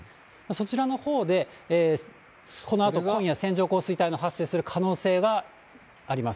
そちらのほうで、このあと、今夜線状降水帯の発生する可能性があります。